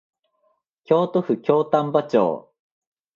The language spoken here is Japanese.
京都府京丹波町